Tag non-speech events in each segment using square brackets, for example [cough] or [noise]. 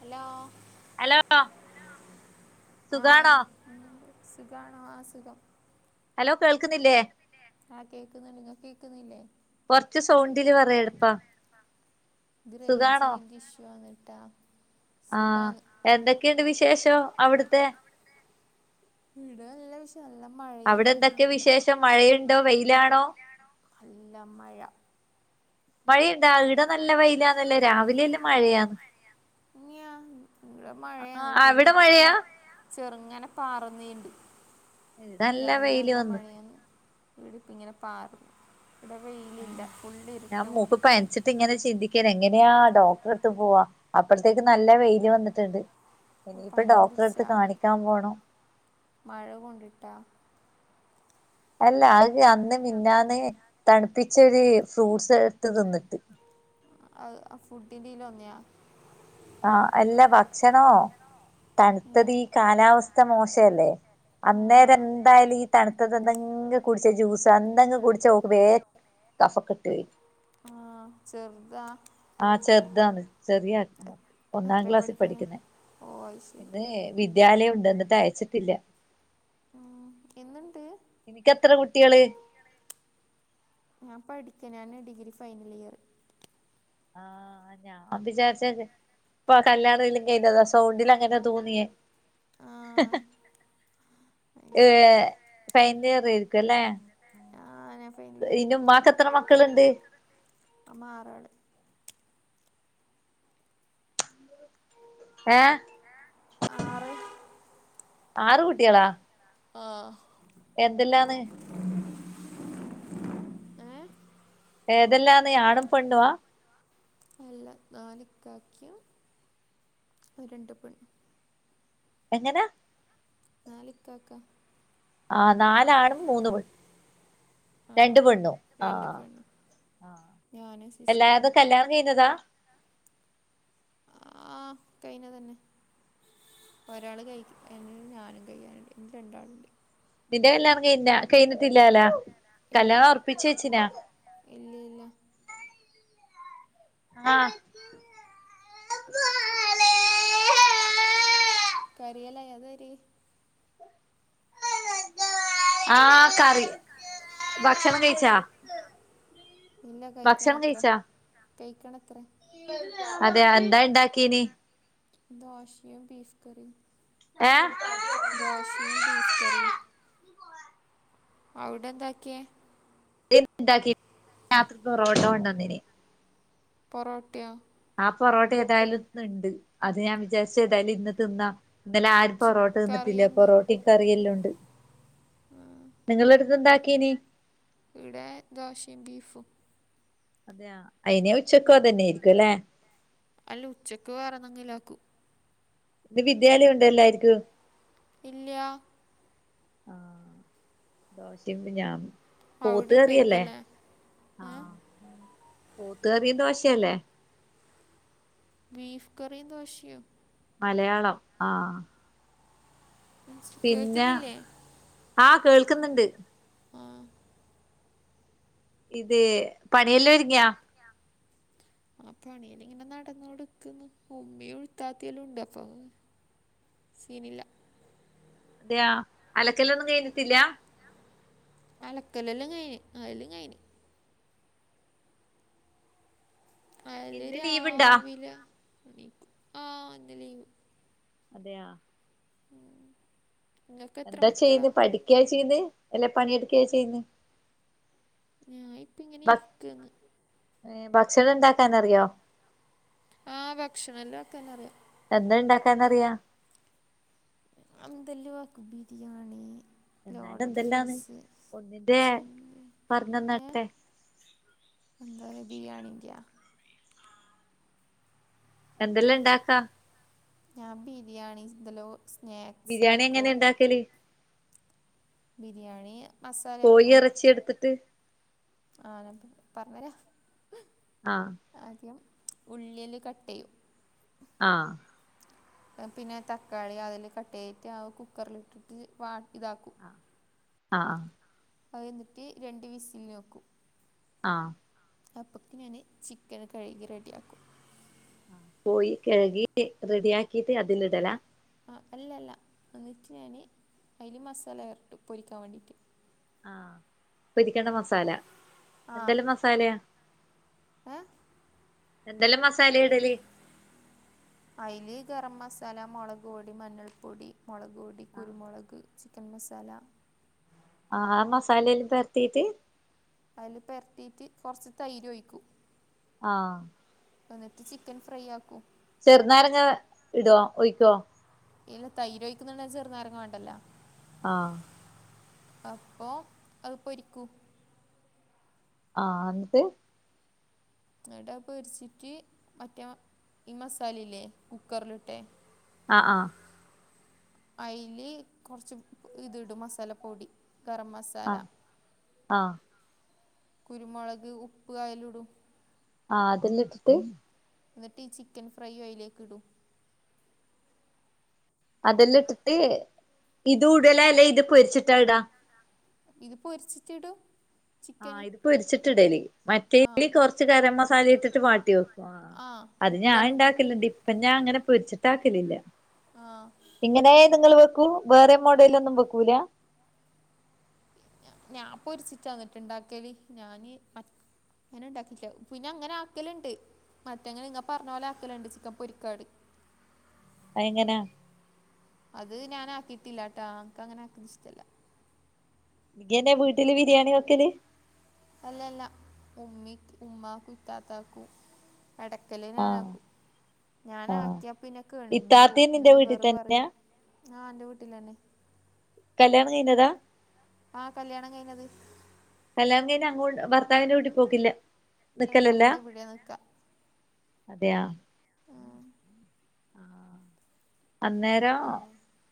Hello hello ആഹ് സുഖാണോ സുഖാണോ ആസുഖം ഹലോ കേൾക്കുന്നില്ലേ ആഹ് കേക്കുന്നു നിങ്ങൾക്ക് കേക്കുന്നില്ലേ കുറച്ച് സൗണ്ടില് പറയാ എളുപ്പാ [unintelligible] ആഹ് സുഖാണ് എന്തൊക്കെയുണ്ട് വിശേഷം അവിടുത്തെ ഈടെ നല്ലവിശേ നല്ല മഴ അവിടെ എന്തൊക്ക വിശേഷം മഴയുണ്ടോ വെയിലാണോ നല്ല മഴ മഴയുണ്ടാ ഈടെ മഴയിണ്ട നല്ല ഇവടെനല്ല വെയിലാന്നല്ലോ വെയ്ല രാവിലെല്ലാം രാവിലെന്ന മഴയാന്ന് മഴയാ [unintelligible] ഇങ്ങട് മഴയ ആഹ് അവിടെ എന്നിട്ടീടിപ്പൊ മഴയാ ചെറുങ്ങനെ പാറ്ന്നീണ്ട് ഇവിടെ നല്ല വെയില് രാവിലെനല്ല വന്ന് മഴയാന്ന് ഈടിപ്പിങ്ങനെ പാറു ഇവിടെ വെയിലില്ല ഫുള് ഇരുട്ട്മൂടി പനിച്ചിട്ടിങ്ങനെ ചിന്തിക്കണ എങ്ങനെയാ ഡോക്ടറെടുത്ത് പോവാ അപ്പഴത്തേക്ക് നല്ല വെയില് വന്നിട്ടിണ്ട് ഇനിയിപ്പ പനിയും ഡോക്ടറടുത്ത് പിടിച്ചാ കാണിക്കാൻ പോണം മഴ കൊണ്ടിട്ട അല്ല അത് അന്ന് മിനിങ്ങാന്ന് തണുപ്പിച്ചൊരി ഫ്രൂട്ട്സ് എടുത്ത് തിന്നിട്ട് ആഹ് അത് ഫുഡിൻ്റേല് വന്നത ആഹ് അല്ല ഭക്ഷണോ തണുത്തത് ഈ കാലാവസ്ഥ മോശല്ലേ ആ അന്നേരെന്തായാലീ തണുത്തത് എന്തെങ്കി കുടിച്ച ജ്യൂസ് എന്തെങ്കി കുടിച്ച ഓക്ക് കഫക്കെട്ട് വരും ചെറുത ആഹ് ചെറുതാന്ന് ചെറിയ ഒന്നാം എത്ര ക്ലാസ്സി പഠിക്കാന് പഠിക്കുന്നെ ഓ അത് ശരി പിന്നേ വിദ്യാലയുണ്ട് എന്നിട്ടയച്ചിട്ടില്ല ഉം ഇന്നിണ്ട് നിനക്കെത്ര കുട്ടികള് ഞാൻ പഠിക്കനാന് ഡിഗ്രി ഫൈനൽ ഇയർ [unintelligible] ഇപ്പൊ കല്യാണേലും കഴിഞ്ഞതാ സൗണ്ടിൽ അങ്ങനെ തോന്നിയേ ആ അത് ഏഹ് ശരി ഫൈനലിയറാരിക്കല്ലേ ആഹ് ഞാ ഫൈനലയിറ് എത്ര ഉമ്മാക്ക് എത്ര മക്കളുണ്ട് മക്കൾ ഉണ്ട് അമ്മ ആറാള് ഏഹ് ആറ് ആറ് കുട്ടികളാ ആഹ് എന്തെല്ലാന്ന് ഏ ഏതെല്ലാന്ന് ആണും പെണ്ണുവ അല്ല നാലിക്കാക്കയു രണ്ട് പെണ്ണും എങ്ങനാ നാലിക്കാക്ക ആഹ് നാലാണും മൂന്ന് പെണ്ണും ആ രണ്ടു പെണ്ണും രണ്ട് ആഹ് പെണ്ണ് ആഹ് ഞാനും സിസ്റ്ററും എല്ലാതും കല്യാണം കയിഞ്ഞതാ ആഹ് കയിഞ്ഞതന്നെ ഒരാള് കയ്ക എനി ഞാനും കഴിയാനുണ്ട് ഇനി രണ്ടാളുണ്ട് നിന്റെ കല്യാണം കഴിഞ കഴിഞ്ഞിട്ടില്ലാലോ കല്യാണം ഒറപ്പിച്ച് വെച്ചിനാ ഇല്ലീല്ല ആഹ് [inaudible] കരികല ഏതരിയായ് ആഹ് കറി ഭക്ഷണം കഴിച്ചാ ഇല്ല ഭക്ഷണം കഴിക്കണത്രെ കഴിച്ചാ കയ്ക്കണത്രെ അതെ എന്താ ഇണ്ടാക്കീനി ദോശയു ബീഫ്കറിം ഏഹ് ദോശയും ബീഫ് കറീം അവിടെ എന്താക്കിയേ [inaudible] ണ്ടാക്കി രാത്ര ബെറോട്ട കൊണ്ടൊനീനി പൊറോട്ടയോ ആഹ് പൊറോട്ട ഏതായാലും ഇന്ന് ഇണ്ട് അത് ഞാൻ വിചാരിച്ച് ഏതായാലും ഇന്ന് തിന്നാം ഇന്നലെ ആരും ചി- പൊറോട്ട തിന്നിട്ടില്ല കറിയെന്ന് പൊറോട്ടയും കറിയെല്ലാം ഉണ്ട് ഉം നിങ്ങള് അടുത്ത് എന്താക്കീനി ഇവിടെ ദോശയും ബീഫും അതെയാ ഇനി ഉച്ചക്കും അതന്നെ ആയിരിക്കും അല്ലെ അല്ല ഉച്ചക്ക് വേറന്തെങ്കിലും ആക്കും ഇന്ന് വിദ്യാലയം ഉണ്ട് എല്ലാരിക്കും ഇല്ല്യ ആഹ് ദോശ [unintelligible] അവിടെ പോത്ത് ഉണ്ടായിരിക്കും കറിയല്ലേ അല്ലേ ഏ? ആഹ് പോത്ത് കറിയും ദോശയല്ലേ ബീഫ് കറിയും ദോശയും മലയാളം ആഹ് മനസ്സി- പിന്നെ കേൾക്കുന്നില്ലേ ആഹ് കേൾക്ക്ന്ന്ണ്ട് ആഹ് ഇത് പണിയെല്ലാം ഒരുങ്ങിയാ [unintelligible] ആ പണിയില് ഇങ്ങനെ നടന്ന് കൊടുക്ക്ന്ന് ഉമ്മിയും ഉഴുത്താത്തില്ലാം ഉണ്ട് അപ്പം സീനില്ല അതെയാ അലക്കലൊന്നും കഴിഞ്ഞിട്ടില്ല അലക്കലെല്ലാം കഴിഞ്ഞ് അതെല്ലാം കഴിഞ്ഞ് അല് ഇന്ന് ലീവ് ഇണ്ടാ രാവിലെ ആഹ് ഇന്ന് ലീവ് അതെയാ നിങ്ങൾക്ക് എത്ര എന്താ മക്കളാ ചെയ്യന്ന് പഠിക്ക ചെയ്യുന്ന് അല്ല പണിയെടുക്കയാ ചെയ്യന്ന് ഞാൻ ഇപ്പം ഇങ്ങനെ ഇരിക്കന്ന് ഏഹ് ഭക്ഷണം ഉണ്ടാക്കാൻ അറിയോ ആഹ് ഭക്ഷണം എല്ലാം ആക്കാൻ അറിയാം എന്താ ഇണ്ടാക്കാനറിയാം എന്തെല്ലും ആക്കും ബിരിയാണി എന്നാലും ലോഡഡ് എന്തെല്ലാന്ന് ഫ്രൈസ് ഒന്നിന്റെ ചില്ലി ഏഹ് പറഞ്ഞന്നാട്ടെ എന്താല്ലേ ബിരിയാണി [unintelligible] എന്തെല്ലാം ഇണ്ടാക്കാ ഞാൻ ബിരിയാണി ഇന്തലോ സ്നാക്സ് ആക്കും ചക്കേല് ബിരിയാണി മസാല കോയി എറച്ചി എട്ത്തിട്ട് ആഹ് ഞാൻ പർഞ്ഞെരാ ആഹ് ആദ്യം ഉള്ളിയെല്ല് കട്ടയ്യും ആഹ് എഹ് പിന്നെ തക്കാളി അതില് കട്ട് ചെയ്തിട്ട് ആഹ് കുക്കറിലിട്ടിട്ട് വാട്ട് ഇതാക്കും ആഹ് ആഹ് ആഹ് എന്നിട്ട് രണ്ട് വിസില് വക്കും ആഹ് അപ്പൊക്ക് ഞാന് ചിക്കന് കഴുകി റെഡിയാക്കും കോയി കഴുകീറ്റ് റെഡിയാക്കിറ്റ് അതില് ഇടലാ ആഹ് അല്ലല്ല എന്നിട്ട് ഞാന് അതില് മസാല പെരട്ടും പൊരിക്കാൻ വേണ്ടിയിട്ട്. ആഹ് പൊരിക്കണ്ട മസാല. ആ എന്തെല്ലാ മസ സാലയാ? ഏ എന്തെല്ലാം മസാലയാ ഇടല്? അയില് ഗരം മസാല, മുളക് പൊടി, മഞ്ഞൾപ്പൊടി, മുളക് പൊടി, ആഹ് കുരുമുളക് ചിക്കൻ മസാല ആഹ് ആ മസാലയില് പരത്തിട്ട് അയ്ല് പെരത്തിട്ട് കൊർച്ച് തൈര് ഒഴിക്കും ആഹ് എന്നിട്ട് ചിക്കൻ ഫ്രൈ ആക്കും. ചെറുനാരങ്ങ ഇടോ ഒഴിക്കോ? ഇല്ല തൈര് ഒഴിക്കുന്നുണ്ടെ ചെറുനാരങ്ങാ വാണ്ടല്ലോ. ആഹ് അപ്പൊ അത് പൊരിക്കും. ആഹ് ഇന്നട്ട് എന്നിട്ട് അത് പൊരിച്ചിട്ട് മറ്റേ ഈ മസാലയില്ലേ കുക്കറിലിട്ട ആഹ് ആഹ് അയില് കൊറച്ച് ഇത് ഇടും മസാല പൊടി ഗരം മസ് ആഹ് ആഹ് കുരുമുളക്, ഉപ്പ് അയില്ടും. ആഹ് അതില് ഇട്ട് ഇന്നട്ട് ഈ ചിക്കൻ ഫ്രൈയും അയിലേക്ക് ഇടും. അതെല്ലാ ഇട്ടിട്ട് ഇതു ഉടലാ ല്ലാ ഇത് പൊരിച്ചിട്ടാ ഇടാ? ഇത് പൊരിച്ചിട്ട് ഇടും. ആഹ് ഇത് പൊരിച്ചിട്ട് ഇടല്. ആ മറ്റേല് കൊറച്ച് ഗരം മസാല ഇട്ടിട്ട് വാട്ടി വെക്കും. ആഹ് ആ അത് ഞാൻ ഉപ്പെല്ലാം ഇട്ടിട്ട് ഇണ്ടാക്കലിണ്ട്. ഇപ്പൊ ഞാൻ അങ്ങനെ പൊരിച്ചിട്ടാക്കലില്ല. ആഹ് ഇങ്ങനേ നിങ്ങൾ വെക്കൂ. വേറെം മോഡൽല് ഒന്നും വെക്കൂല? ഞാൻ പൊരിച്ചിട്ടാന്ന്ട്ടാ ഇണ്ടാക്കല്. ഞാന് [unintelligible] അങ്ങനെ ഉണ്ടാക്കിട്ട്ല്ല. പിന്നെ അങ്ങനെ ആക്കല്ണ്ട്. മറ്റെങ്ങനെ നിങ്ങ പറഞ്ഞ പോലെ ആക്കല്ണ്ട് ചിക്കൻ പൊരിക്കാട്. അഎങ്ങനാ? അത് ഞാൻ ആക്കിട്ടില്ല ട്ടാ. അൻക്ക് അങ്ങനെ ആക്കുന്ന ഇഷ്ട അല്ല. ഇയ്യെന്നെ വീട്ടില് ബിരിയാണി വെക്കല്? അല്ലല്ല. ഉമ്മി ഉമ്മാക്കും ഇത്താത്താക്കും. എടക്കല് ആഹ് ഞാനാക്കും. ഞാൻ ആഹ് ആക്കിയ പിന്നെ കേണിഞ്ഞ് പോവും. ഇത്താത്തയും പിന്നെ നിന്റെ വീട്ടിൽ ഇവറ് തന്നെയാ പറയും, ആഹ് എന്റെ വീട്ടിലന്നെ. കല്യാണം കഴിഞ്ഞതാ? ആ കല്യാണം കഴിഞ്ഞത് കല്യാണം കഴിഞ്ഞ് അങ്ങോ ഭർത്താവിന്റെ വീട്ടി പോക്കില്ല അതെ നിക്കല് ല്ല നമ്മൾ ഇവിടെ നിൽക്കാം അതെയാ അന്നരം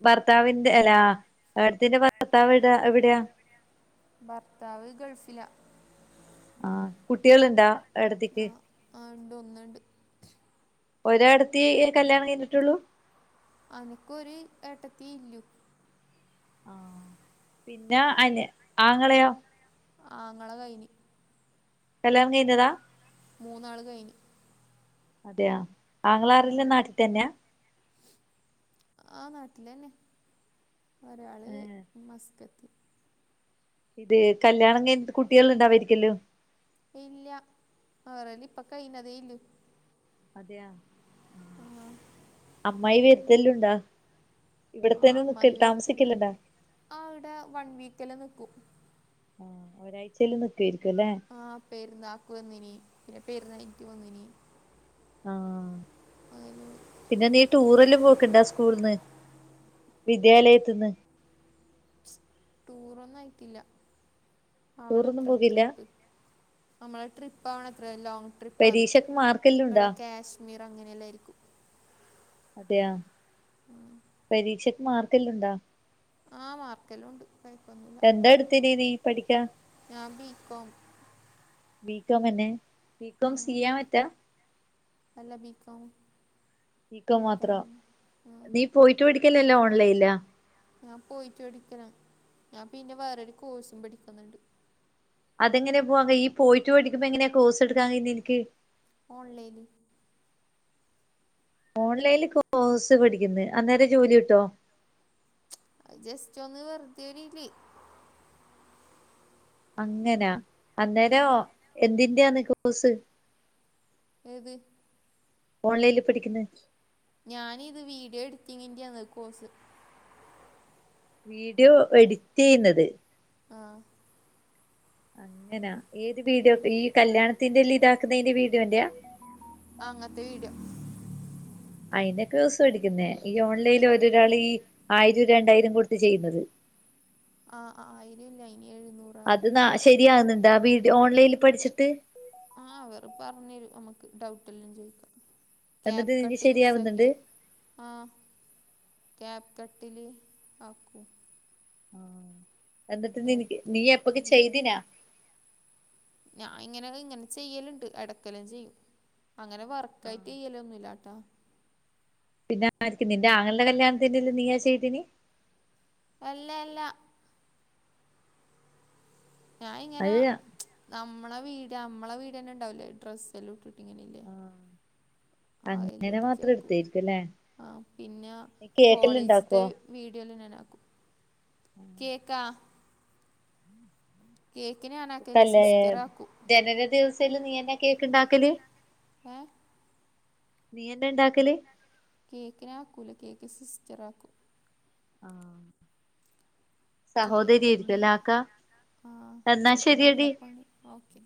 ഭർത്താവിന്റെ അല്ലാ എട്ത്തിന്റെ ഭർത്താവ് എവിടെ എവിടെയാ ഭർത്താവ് ഗള്‍ഫില ആഹ് കുട്ടികള് ഇണ്ടോ ആ ആ ഇണ്ട് ഒന്ന്ണ്ട് ഒരട്ത്തി കല്യാണം കഴിഞ്ഞിട്ടുള്ളൂ അനക്കൊരു ഏട്ടത്തീല്ലു ആഹ് പിന്ന അന് ആങ്ങളെയോ ആങ്ങള കൈന് കല്യാണം കഴിഞ്ഞതാ മൂന്നാള് കഴിഞ്ഞ് അതെയ ഉം. ആങ്ങളാരല്ലാം നാട്ടി തന്നെയാ ആ നാട്ടിലെന്നെ ഒരാള് മസ്‌കറ്റ് ഇത് കല്യാണം കഴിഞ്ഞിട്ട് കുട്ട്യാള്ണ്ടാവെര്ക്കെല്ലു ഇല്ല്യ ഒരൊന്നിപ്പൊ കൈഞതേ ഇല്ലു അതെയാ ആ ആഹ് അമ്മായി വെര്ത്തലുണ്ടാ ഇബട്ത്തന്നെ നിക താമസിക്കല്ണ്ടാ ആ ഇവ്ടെ വൺ വീക്കല്ലാ ന്ന്ക്കും ആഹ് ഒരാഴയ്ചല്ലാം ന്ന്ക്കയ്ര്ക്കും ലെ ആ പെര്ന്നാക്ക് വന്നീനീ പെര്ന്ന്യാഴിഞ്ഞിട്ട് വന്നീനീ ആഹ് [unintelligible] പിന്നെ നീ ടൂറല്ലാം പോക്ണ്ടാ സ്കൂൾന്ന്. വിദ്യാലയത്ത്ന്ന് ടൂറൊന്നുഅയ്ക്കില്ല ടൂറൊന്നും ആവണത്ര പോകില്ല ത്രിപ്പ് നമ്മളെ ട്രിപ്പാവണത്രെ ലോങ്ങ് ട്രിപ്പാന്ന് പരീക്ഷക്ക് മാർക്കെല്ലാം ഉണ്ടാ ഒവ്ടെ ക്യാശ്മീറങ്ങനെല്ലെരിക്കും അതെയ പരീക്ഷക്ക് മാർക്കെല്ലും ണ്ടാ ആ മാർക്കെല്ലോംണ്ട് കൊയ്പ്പൊന്നുല്ല എന്താ എടുത്തിന് നീ പഠിക്കാ ഞാബിക്കോം ബികോമെന്നെ ബികോം സി യാ മറ്റ അല്ല ബിക്കോമ് ബി കോം മാത്ര നീ പോയിട്ട് പടികലല്ലോ ഓൺലൈൻലോ ഞാൻ പോയിറ്റ് പടിക്കല ഞാ പിന്നെ വേറൊര് കോഴ്സും പഠിക്ക്‌ന്ന്ണ്ട് അതെങ്ങനെ പൊവാങ്കയ്യ ഈ പോയിട്ട് പഠിക്ക് പ്പെങ്ങനെ കോയ്സട്ക്കാട്ക്കാൻ കയ്യ നിൻക്ക് ഓൺലൈല് ഓൺലെല് കോയ്സ് പഠിക്ക്‌ന്ന് അന്നേരം ജോലി കിട്ടോ ജെസ്റ്റൊന്ന് വെർതെ രീതി അങ്ങനാ ആ അന്നേരോം എന്തിന്റെന്ന് കോസ് ഏത് ഓൺലൈല് പഠിക്ക്‌ന്നെ ഞാനിത് വീഡിയോ എഡിറ്റിംഗിന്റയാന്ന് കോസ് വീഡിയോ എഡിറ്റയ്യുന്നത് ആഹ് അങ്ങനാ ഏത് വിഡിയോ ഈ കല്യാണത്തിന്റെല്ലിതാക്ക്‌ന്ന്യ്ന്റെ വീഡിയോന്റെ അങ്ങൻത്ത വീഡിയോ അയിന കോസ് പടിക്കുന്നേ ഈ ഓൺലൈല് ഒര് രാള് ഈ ആയിരൊ രണ്ടായിരം കൊട്ത്ത് ചെയ്യുന്നത് ആ അ അ ആയിരല്ല അയിന് എഴ്ന്നൂറ് അത് ന്നാ ശരിയാക്ന്ന്ണ്ടാ വീഡിയോ ഓൺലൈല് പട്ച്ച്ട്ട് ആഹ് അവർ പറഞ്ഞെരും നമ്മക്ക് ഡൗട്ടെല്ലാം ചോയ്ക്കാ എന്നിട്ട് നിനക്ക് ക്യാപ്കട്ട് ശരിയാവുന്നുണ്ട് യൂസാക്കിയാതി ആഹ് ക്യാപ്കട്ടില് ആക്കും എന്നിട്ട് ക്യാപ് നിനിക്ക് നീ എപ്പൊക്കെ കട്ട് ചെയ്തിനാ ഞാഇങ്ങെനെ ഇങ്ങെനെ ചെയ്യല്ണ്ട് എടെക്കല് ചെയ്യും അങ്ങനെ വർക്ക് കൈറ്റിയ്യല്ലോന്നുല്ലാട്ടാ പിന്ന ആര്ക്ക് നിന്റെ ആങ്ങൾടെ കല്യാണത്തിന്റെല്ലൊം നീയാ ചെയ്തിനി അല്ലെല്ല ഞാഇങ്ങെനാ അത് നമ്മെളെ വീടിയോ മ്മളെ വീഡിയോന്നെ ണ്ടാവൂലേ ഡ്രസ്സേല്ലൊം ഇട്ട്ട്ട് ഇങ്ങനിരി അങ്ങനെ മാത്രം അയ്ലടച്ചാക്കൂ എടുത്തായിരിക്കും അല്ലേ ആഹ് പിന്നാ നീ കേക്കെല്ലാം കോളേജ്ത്തെ ഇണ്ടാക്കുവോ വീഡിയോല് നാനാക്കും കേക്ക കേക്കിനാ തല്ലേ ജനന ദിവസെല് നീയെന്നെ കേക്ക്ണ്ടാക്കല് ഏഹ് നീയന്നെ ണ്ടാക്കല് കേക്ക് ഞാനാക്കൂല കേക്ക് സിസ്റ്ററാക്കൂ ആഹ് കേക്കിന് ആക്ക ആഹ് എന്നാ ശരിയടി കേക്കിനൊള്ളപ്പണി ഓക്കെ